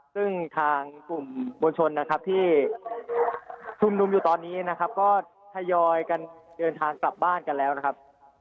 ซึ่งทางกลุ่มมวลชนนะครับที่ชุมนุมอยู่ตอนนี้นะครับก็ทยอยกันเดินทางกลับบ้านกันแล้วนะครับ